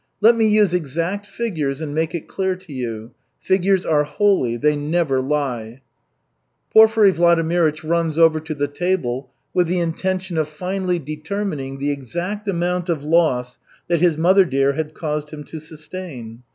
Let me use exact figures and make it clear to you. Figures are holy, they never lie." Porfiry Vladimirych runs over to the table with the intention of finally determining the exact amount of loss that his mother dear had caused him to sustain.